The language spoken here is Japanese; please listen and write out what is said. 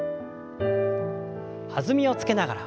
弾みをつけながら。